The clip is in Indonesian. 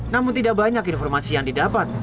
namun tidak banyak informasi yang didapat